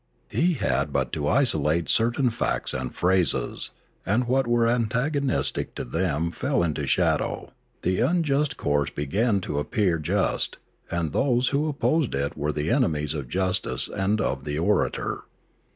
He had but to isolate certain facts and phases, and what were antagonistic to them fell into shadow; the unjust 402 Limanora course began to appear just, and those who opposed it were the enemies of justice and of the orator.